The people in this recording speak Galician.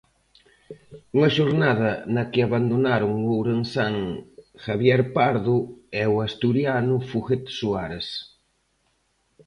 Unha xornada na que abandonaron o ourensán Javier Pardo e o asturiano Foguete Suárez.